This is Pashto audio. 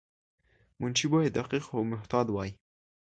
منشي باید دقیق او محتاط وای.